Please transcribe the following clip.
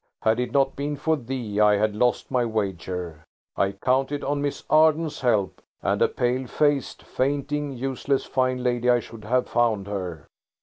had it not been for thee I had lost my wager. I counted on Miss Arden's help–and a pale faced, fainting, useless fine lady I should have found her.